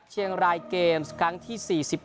เชียงรายเกมส์ครั้งที่๔๑